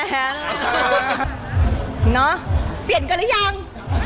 เนาะเปลี่ยนกันหรือยัง